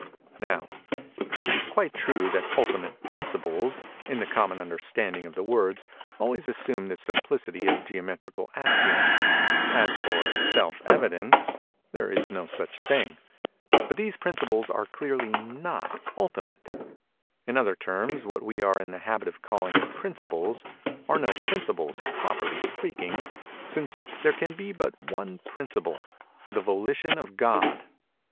Now, it is quite true that "ultimate principles," in the common understanding of the words, always assume the simplicity of geometrical axioms—(as for "self evidence," there is no such thing)—but these principles are clearly not "ultimate;" in other terms what we are in the habit of calling principles are no principles, properly speaking—since there can be but one principle, the Volition of God.